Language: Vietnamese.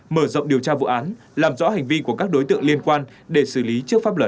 mở rộng điều tra vụ án làm rõ hành vi của các đối tượng liên quan để xử lý trước pháp luật